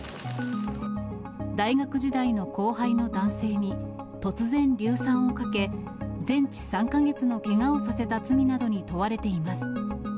大学時代の後輩の男性に突然、硫酸をかけ、全治３か月のけがをさせた罪などに問われています。